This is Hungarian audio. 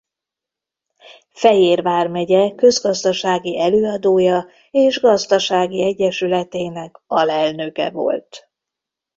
Fejér vármegye közgazdasági előadója és gazdasági egyesületének alelnöke volt.